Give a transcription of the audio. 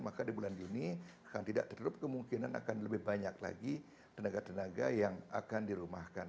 maka di bulan juni akan tidak terlalu kemungkinan akan lebih banyak lagi tenaga tenaga yang akan dirumahkan